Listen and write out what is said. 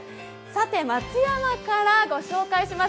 松山からご紹介します